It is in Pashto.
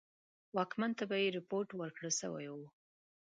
واکمن ته به یې رپوټ ورکړه سوی وو.